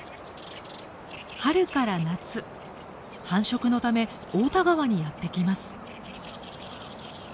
春から夏繁殖のため太田川にやって来ます。